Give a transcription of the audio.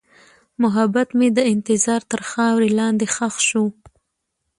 محبت مې د انتظار تر خاورې لاندې ښخ شو.